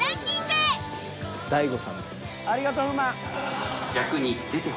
ありがとう風磨。